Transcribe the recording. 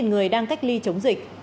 chín người đang cách ly chống dịch